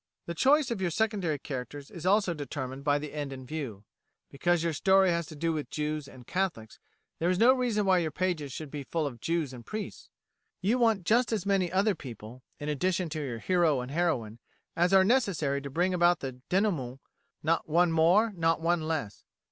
The choice of your secondary characters is also determined by the end in view. Because your story has to do with Jews and Catholics, that is no reason why your pages should be full of Jews and priests. You want just as many other people, in addition to your hero and heroine, as are necessary to bring about the dénouement: not one more, not one less.